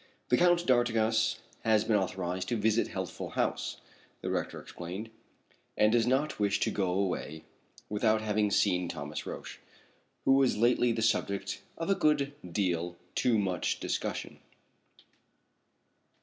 "The Count d'Artigas has been authorized to visit Healthful House," the director explained; "and does not wish to go away without having seen Thomas Roch, who was lately the subject of a good deal too much discussion."